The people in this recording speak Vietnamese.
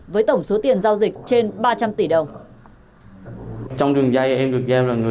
với tổng số tiền giao dịch trên ba trăm linh tỷ đồng